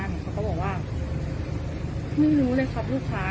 เขาก็บอกว่าไม่รู้เลยครับลูกค้า